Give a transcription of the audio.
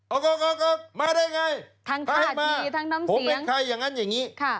ออกมาได้อย่างไรมาให้มาผมเป็นใครอย่างนั้นอย่างนี้ค่ะ